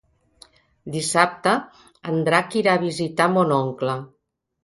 Dissabte en Drac irà a visitar mon oncle.